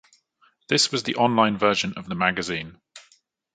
This was the online version of the magazine.